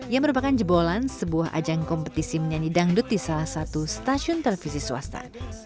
yang merupakan jebolan sebuah ajang kompetisi menyanyi dangdut di salah satu stasiun televisi swasta